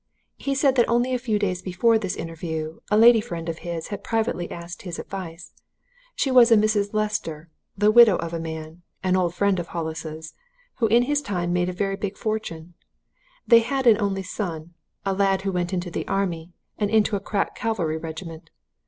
He said that only a few days before this interview a lady friend of his had privately asked his advice. She was a Mrs. Lester, the widow of a man an old friend of Hollis's who in his time made a very big fortune. They had an only son, a lad who went into the Army, and into a crack cavalry regiment.